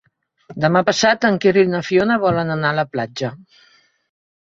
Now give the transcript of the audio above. Demà passat en Quer i na Fiona volen anar a la platja.